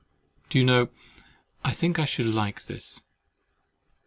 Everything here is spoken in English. Do you know I think I should like this?